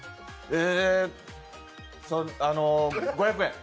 ５００円。